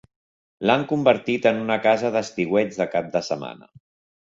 L'han convertit en una casa d'estiueig de cap de setmana.